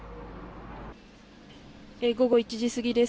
午後１時過ぎです。